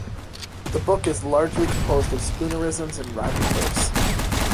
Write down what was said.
The book is largely composed of spoonerisms in rhyming verse.